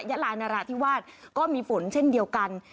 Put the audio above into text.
ยาลานราธิวาสก็มีฝนเช่นเดียวกัน